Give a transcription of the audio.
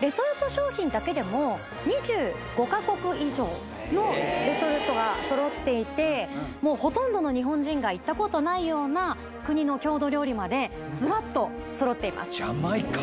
レトルト商品だけでも２５か国以上のレトルトが揃っていてもうほとんどの日本人が行ったことないような国の郷土料理までずらっと揃っていますジャマイカ？